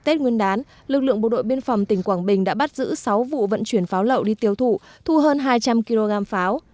tết nguyên đán lực lượng bộ đội biên phòng tỉnh quảng bình đã bắt giữ sáu vụ vận chuyển pháo lậu đi tiêu thụ thu hơn hai trăm linh kg pháo